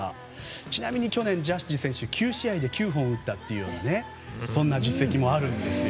ちなみに去年ジャッジ選手は９試合で９本打ったというそんな実績もあるんですよ。